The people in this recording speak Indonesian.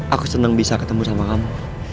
aku senang bisa ketemu sama kamu